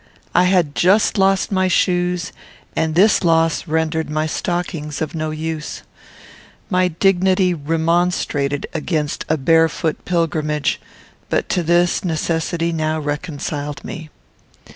I had just lost my shoes, and this loss rendered my stockings of no use. My dignity remonstrated against a barefoot pilgrimage, but to this, necessity now reconciled me.